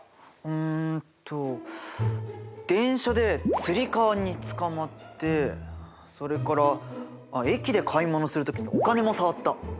うんと電車でつり革につかまってそれから駅で買い物する時にお金も触った。